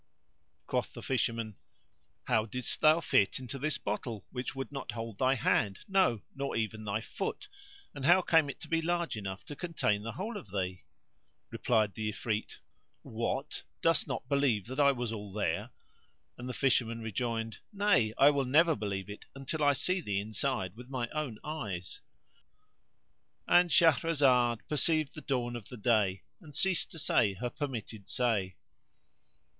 Quoth the Fisherman, "How didst thou fit into this bottle which would not hold thy hand; no, nor even thy foot, and how came it to be large enough to contain the whole of thee?" Replied the Ifrit, "What! dost not believe that I was all there?" and the Fisherman rejoined, "Nay! I will never believe it until I see thee inside with my own eyes." And Shahrazad perceived the dawn of day and ceased to say her permitted say.